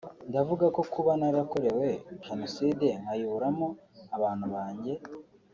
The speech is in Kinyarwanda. Ndavuga ko kuba narakorewe Jenoside nkayiburamo abantu banjye